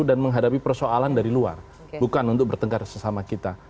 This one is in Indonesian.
menghadapi persoalan dari luar bukan untuk bertengkar sesama kita